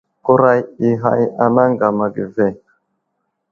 Kurag i ghag anay aŋgam age ve.